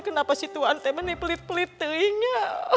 kenapa si tuan t meniplit plit telinga